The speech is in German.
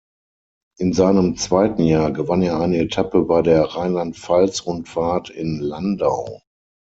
In seinem zweiten Jahr gewann er eine Etappe bei der Rheinland-Pfalz-Rundfahrt in Landau.